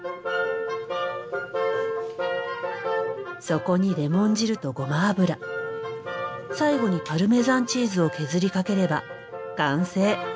そこにレモン汁とごま油最後にパルメザンチーズを削りかければ完成。